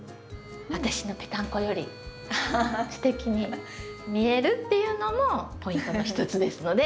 私のぺたんこよりすてきに見えるっていうのもポイントの一つですので。